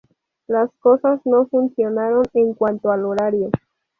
Las cosas no funcionaron en cuanto al horario.